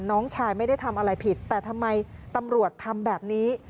น้องชายไม่ได้ทำอะไรผิดแต่ทำไมตำรวจทำแบบนี้